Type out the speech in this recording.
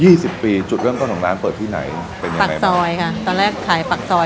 สิบปีจุดเริ่มต้นของร้านเปิดที่ไหนเป็นปากซอยค่ะตอนแรกขายปากซอย